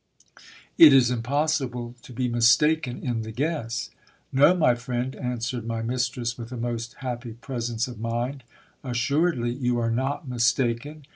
It is impossible to be mistaken in the guess. No, my friend, answered my mistress with a most happy presence of mind, assuredly you are not mistaken.